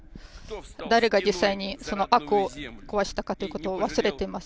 誰が実際にその悪を壊したかということを忘れています。